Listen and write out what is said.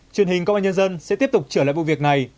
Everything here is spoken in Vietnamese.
truyền hình công an nhân dân sẽ tiếp tục trở lại vụ việc này